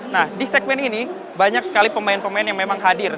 nah di segmen ini banyak sekali pemain pemain yang memang hadir